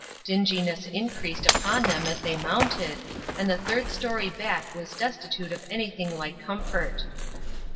Dinginess increased upon them as they mounted, and the third story back was destitute of anything like comfort.